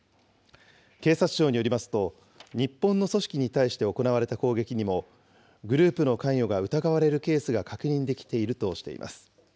警察庁によりますと、日本の組織に対して行われた攻撃にも、グループの関与が疑われるケースが確認できているとしています。